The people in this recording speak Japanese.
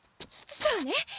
そうね！